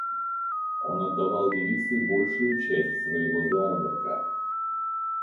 Он отдавал девице большую часть своего заработка.